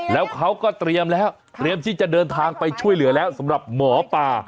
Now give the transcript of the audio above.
แล้วเขาก็เตรียมแล้วเตรียมที่จะเดินทางไปช่วยเหลือแล้วสำหรับหมอปลา